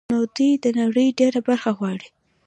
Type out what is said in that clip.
نو دوی د نړۍ ډېره برخه غواړي